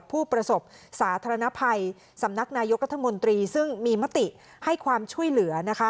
ผู้ประสบสาธารณภัยสำนักนายกรัฐมนตรีซึ่งมีมติให้ความช่วยเหลือนะคะ